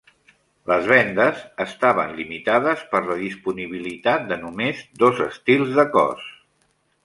Les vendes estaven imitades per la disponibilitat de només dos estils de cos.